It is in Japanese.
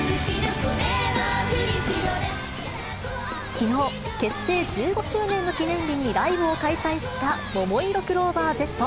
きのう、結成１５周年の記念日にライブを開催したももいろクローバーＺ。